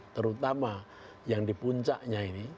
terutama yang di puncaknya ini